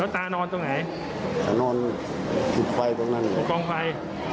ตานอนมันที่ไฟล์ตรงนั้นเตรียมต้องไฟ